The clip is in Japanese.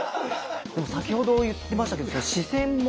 でも先ほど言ってましたけど視線も大事かなと。